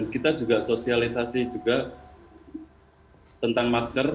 kita juga sosialisasi juga tentang masker